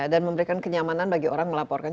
dan memberikan kenyamanan bagi orang melaporkan